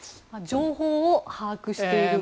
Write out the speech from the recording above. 情報を把握している。